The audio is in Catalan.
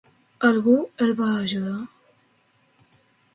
Algú el va ajudar?